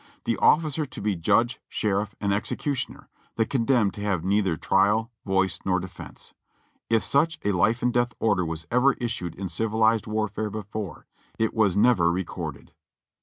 The officer to be judge, sheriff and executioner; the condemned to have neither trial, voice, nor defense. If such a life and death order was ever issued in civilized warfare before, it was never recorded.